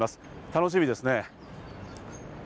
楽しみですね。